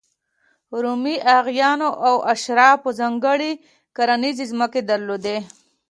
رومي اعیانو او اشرافو ځانګړې کرنیزې ځمکې درلودې.